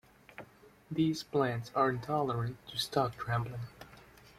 These plants are intolerant to stock trampling.